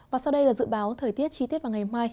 và sau đây là dự báo thời tiết chi tiết vào ngày mai